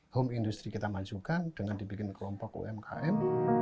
home industry kita majukan dengan dibikin kelompok umkm